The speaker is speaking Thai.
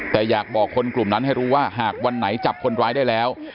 แต่อยากบอกคนกลุ่มนั้นให้รู้ว่าหากวันไหนจับคนร้ายได้แล้ว